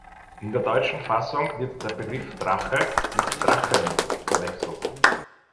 In der deutschen Fassung wird der Begriff »Drache« mit »Drachen« verwechselt.